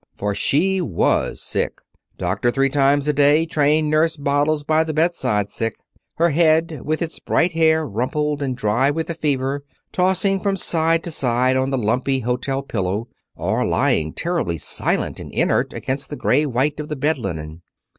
For she was sick doctor three times a day trained nurse bottles by the bedside sick, her head, with its bright hair rumpled and dry with the fever, tossing from side to side on the lumpy hotel pillow, or lying terribly silent and inert against the gray white of the bed linen.